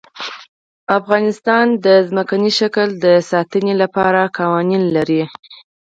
افغانستان د ځمکنی شکل د ساتنې لپاره قوانین لري.